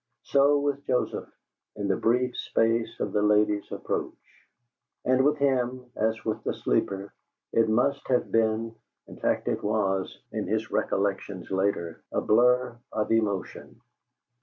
So with Joseph, in the brief space of the lady's approach. And with him, as with the sleeper, it must have been in fact it was, in his recollections, later a blur of emotion.